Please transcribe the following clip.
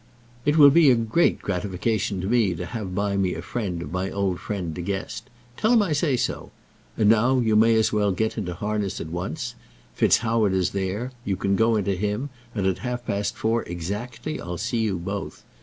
It will be a great gratification to me to have by me a friend of my old friend De Guest. Tell him I say so. And now you may as well get into harness at once. FitzHoward is there. You can go in to him, and at half past four exactly I'll see you both.